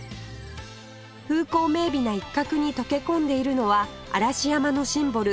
風光明媚な一角に溶け込んでいるのは嵐山のシンボル